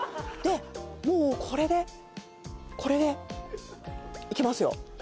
でもうこれでこれでいきますよ